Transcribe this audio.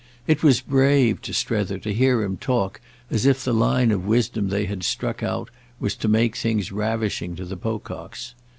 It was brave to Strether to hear him talk as if the line of wisdom they had struck out was to make things ravishing to the Pococks.